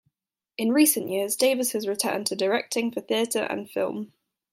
In recent years Davis has returned to directing for theatre and film.